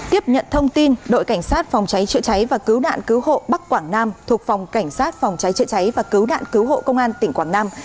tiếp nhận thông tin đội cảnh sát phòng cháy chữa cháy và cứu nạn cứu hộ bắc quảng nam thuộc phòng cảnh sát phòng cháy chữa cháy và cứu nạn cứu hộ công an tỉnh quảng nam